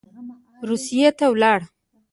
روسیې ته ولاړ.